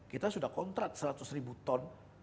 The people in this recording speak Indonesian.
kita sudah kontrak seratus ribu ton